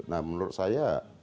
nah menurut saya